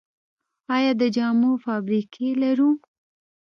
آیا د جامو فابریکې لرو؟